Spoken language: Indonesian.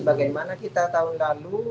bagaimana kita tahun lalu